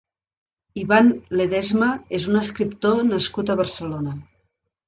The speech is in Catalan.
Ivan Ledesma és un escriptor nascut a Barcelona.